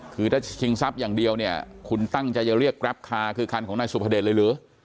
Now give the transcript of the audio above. คือถ้าชิงทรัพย์อย่างเดียวเนี่ยคุณตั้งใจจะเรียกแกรปคาคือคันของนายสุภเดชเลยหรือ